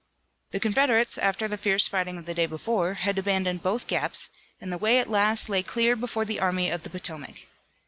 The Confederates, after the fierce fighting of the day before, had abandoned both gaps, and the way at last lay clear before the Army of the Potomac.